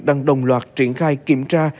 đang đồng loạt triển khai kiểm tra